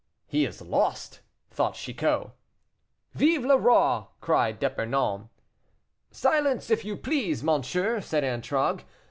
"He is lost!" thought Chicot. "Vive le roi!" cried D'Epernon. "Silence, if you please, monsieur," said Antragues.